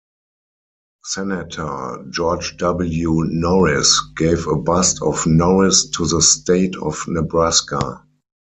Senator George W. Norris gave a bust of Norris to the State of Nebraska.